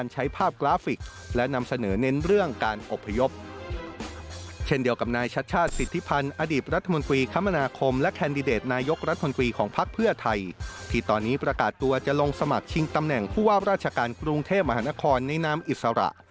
จะลงสมัครชิงตำแหน่งผู้วาบราชการกรุงเทพมหานครในน้ำอิสระ